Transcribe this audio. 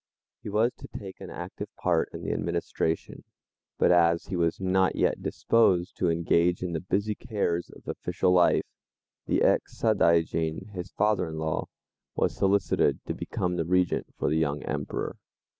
He was to take an active part in the administration, but as he was not yet disposed to engage in the busy cares of official life, the ex Sadaijin, his father in law, was solicited to become the regent for the young Emperor.